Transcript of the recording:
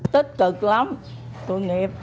tích cực lắm tội nghiệp